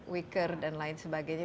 wicker dan lain sebagainya